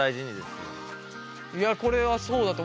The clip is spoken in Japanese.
いやこれはそうだと。